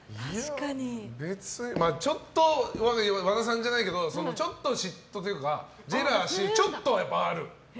別にちょっと和田さんじゃないけどちょっと嫉妬というか、ジェラシーはちょっとはある。